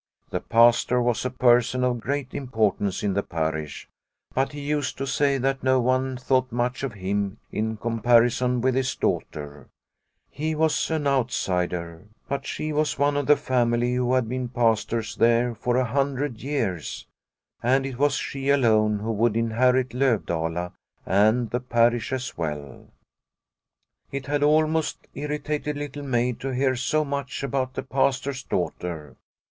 The Pastor was a person of great importance in the parish, but he used to say that no one thought much of him in comparison with his daughter. He was an outsider, but she was one of the family who had been Pastors there for a hundred years, and it was she alone who would inherit Lovdala and the parish as well. *' The Spinning wheels 21 It had almost irritated Little Maid to hear so much about the Pastor's daughter.